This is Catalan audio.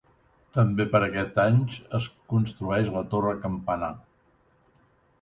També per aquests anys es construeix la torre campanar.